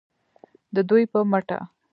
د دوی په مټه